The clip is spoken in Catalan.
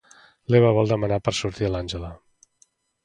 L'Eva vol demanar per sortir a l'Àngela.